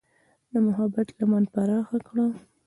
د محبت لمن پراخه کړه.